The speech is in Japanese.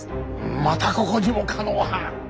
またここにも狩野派！